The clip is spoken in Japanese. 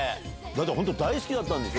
本当大好きだったんでしょ？